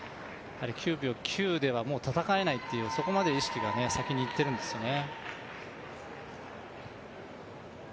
９秒９では戦えないとそこまで意識が先にいっているんですね。